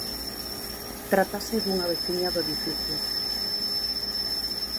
Trátase dunha veciña do edificio.